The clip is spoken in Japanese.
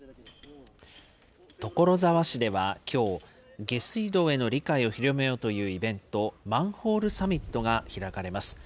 所沢市ではきょう、下水道への理解を広めようというイベント、マンホールサミットが開かれます。